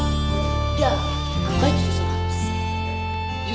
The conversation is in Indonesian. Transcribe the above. udah abah justru keras